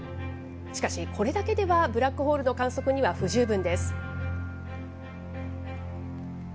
しかし、これだけではブラックホールの観測には不十分です。